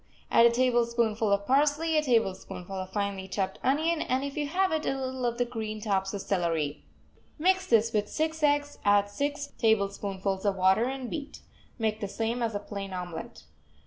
Add a tablespoonful of parsley, a tablespoonful of finely chopped onion, and, if you have it, a little of the green tops of celery. Mix this with six eggs, add six tablespoonfuls of water and beat. Make the same as a plain omelet.